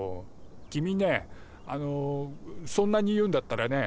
君ねあのそんなに言うんだったらね